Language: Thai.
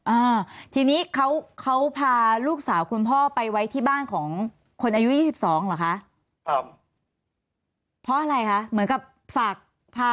อ่าทีนี้เขาพาลูกสาวคุณพ่อไปไว้ที่บ้านของคนอายุ๒๒หรอคะ